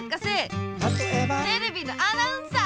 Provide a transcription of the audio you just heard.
「たとえば」テレビのアナウンサー！